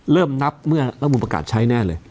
เริ่มนับเมื่อรัฐมนุนประกาศใช้แน่เลย